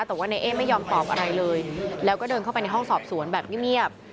แต่ว่าในเอ๊ไม่ยอมตอบอะไรเลยแล้วก็เดินเข้าไปในห้องสอบสวนแบบเงียบ